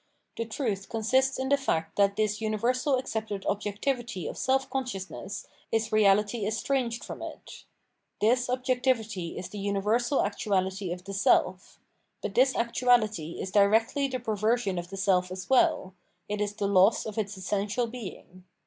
The truth consists in the fact that this universal accepted objectivity of self consciousness is reahty estranged from it. This objectivity is the universal actuahty of the self; but this actuahty is directly the perversion of the self as well — it is the loss of its essential being.